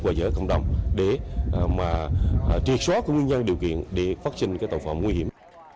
hòa giải cộng đồng để mà triệt xóa cái nguyên nhân điều kiện để phát sinh cái tàu phòng nguy hiểm